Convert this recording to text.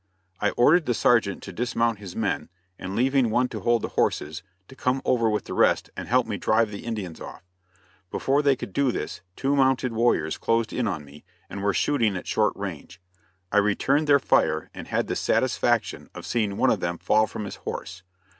I ordered the sergeant to dismount his men, and leaving one to hold the horses, to come over with the rest and help me drive the Indians off. Before they could do this, two mounted warriors closed in on me and were shooting at short range. I returned their fire and had the satisfaction of seeing one of them fall from his horse.